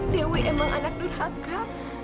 dewi emang anak durhaka